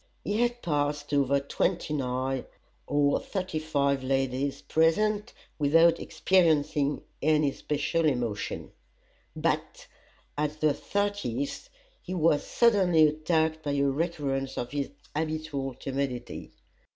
He had passed over twenty nine of the thirty five ladies present without experiencing any special emotion; but at the thirtieth he was suddenly attacked by a recurrence of his habitual timidity.